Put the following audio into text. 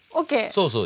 そうそう。